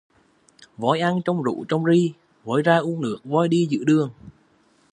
Voi ăn trong rú trong ri, voi ra uống nước voi đi giữa đường